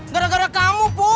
gara gara kamu pur